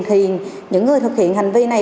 thì những người thực hiện hành vi này